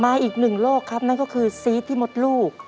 อีกหนึ่งโรคครับนั่นก็คือซีสที่มดลูก